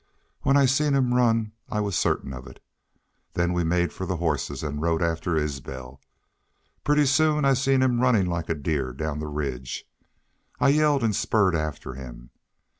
When I seen him run I was certain of it. Then we made for the hosses an' rode after Isbel. Pretty soon I seen him runnin' like a deer down the ridge. I yelled an' spurred after him.